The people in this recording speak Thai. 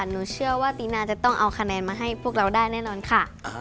หนูเชื่อว่าตินาจะต้องเอาคะแนนมาให้พวกเราได้แน่นอนค่ะ